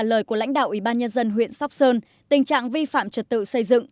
lời của lãnh đạo ủy ban nhân dân huyện sóc sơn tình trạng vi phạm trật tự xây dựng